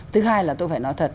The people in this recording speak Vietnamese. thứ hai là tôi phải nói thật